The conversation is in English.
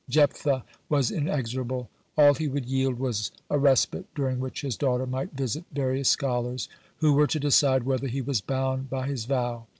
Jephthah was inexorable. All he would yield was a respite during which his daughter might visit various scholars, who were to decide whether he was bound by his vow.